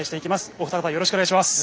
お二方よろしくお願いします。